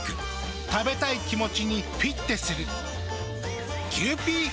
食べたい気持ちにフィッテする。